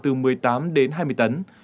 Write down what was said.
từ một mươi tám đến hai mươi tấn